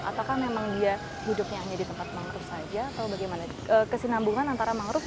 apakah memang dia hidupnya hanya di tempat mangrove saja atau bagaimana kesinambungan antara mangrove